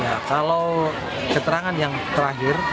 ya kalau keterangan yang terakhir